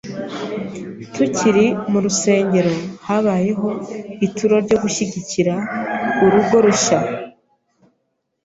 Tukiri mu rusengero, habayeho ituro ryo gushyigikira urugo rushya,